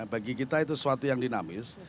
bagi kita itu sesuatu yang dinamis